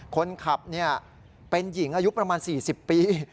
คนขับเป็นหญิงอายุประมาณ๔๐ปี